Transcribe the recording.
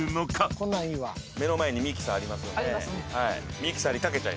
目の前にミキサーありますよね。